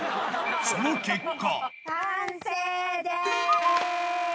その結果。